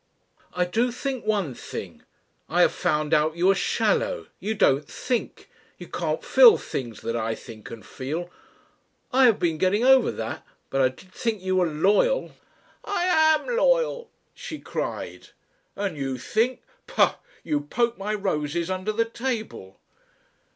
"I do think one thing. I have found out you are shallow, you don't think, you can't feel things that I think and feel. I have been getting over that. But I did think you were loyal " "I am loyal," she cried. "And you think Bah! you poke my roses under the table!"